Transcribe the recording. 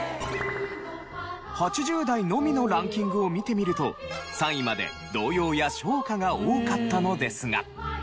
８０代のみのランキングを見てみると３位まで童謡や唱歌や多かったのですが。